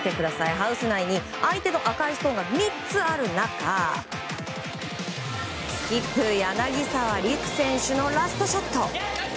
ハウス内に相手の赤いストーンが３つある中スキップ、柳澤李空選手のラストショット。